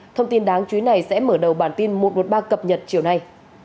thông tin đáng chú ý này sẽ mở đầu bản tin một trăm một mươi ba cập nhật chiều nay